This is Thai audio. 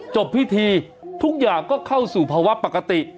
จบพิธีทุกอย่างก็เข้าสู่ภาวะปกติ